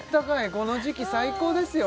この時期最高ですよ